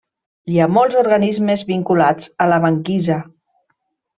Hi ha molts organismes vinculats a la banquisa.